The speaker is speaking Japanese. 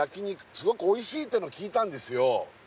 すごくおいしいっての聞いたんですよ